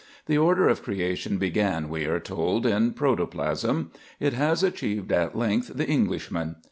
The order of creation began, we are told, in protoplasm. It has achieved at length the Englishman.